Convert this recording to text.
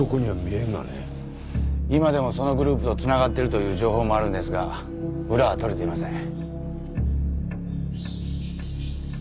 今でもそのグループとつながってるという情報もあるんですが裏は取れていません。